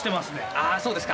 あそうですか。